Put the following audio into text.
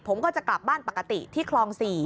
ผมก็จะกลับบ้านปกติที่คลอง๔